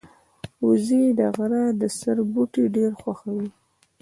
وزې د غره د سر بوټي ډېر خوښوي